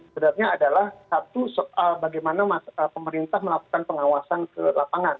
sebenarnya adalah satu soal bagaimana pemerintah melakukan pengawasan ke lapangan